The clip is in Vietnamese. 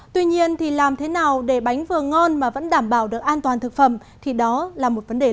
tuy nhiên thì làm thế nào để bánh vừa ngon mà vẫn đảm bảo được an toàn thực phẩm thì đó là một vấn đề lớn